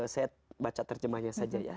saya baca terjemahnya saja ya